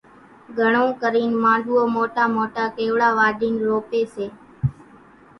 گھڻون ڪرينَ مانڏوئو موٽا موٽا ڪيوڙا واڍينَ روپيَ سي۔